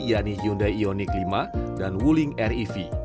yaitu hyundai ioniq lima dan wuling riv